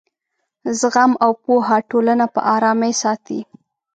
زغم او پوهه ټولنه په ارامۍ ساتي.